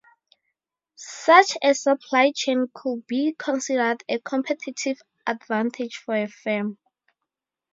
Such a supply chain could be considered a competitive advantage for a firm.